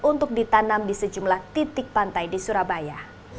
untuk ditanam di sejumlah titik pantai di surabaya